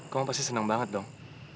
kamu pasti senang banget dong